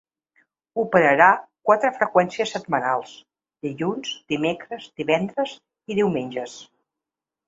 Operarà quatre freqüències setmanals: dilluns, dimecres, divendres i diumenges.